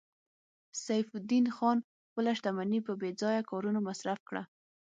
سیف الدین خان خپله شتمني په بې ځایه کارونو مصرف کړه